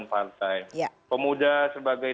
kebangsaan pemuda sebagai